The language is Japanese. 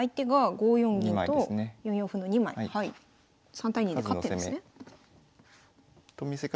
３対２で勝ってるんですね。